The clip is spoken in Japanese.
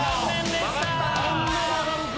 あんな曲がるか。